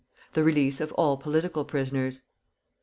The release of all political prisoners.